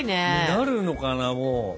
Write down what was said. なるのかなもう。